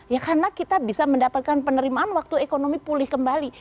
ya karena kita bisa mendapatkan penerimaan waktu ekonomi pulih kembali